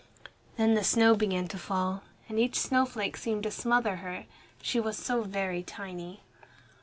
Then the snow began to fall, and each snowflake seemed to smother her. She was so very tiny.